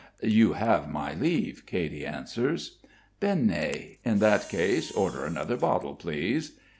"You have my leave," Katy answers. "Bene. In that case, order another bottle, please."